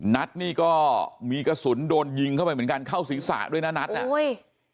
นัดนี่ก็มีกระสุนโดนยิงเข้าไปเหมือนกันเข้าศีรษะด้วยนะนัดอ่ะอุ้ย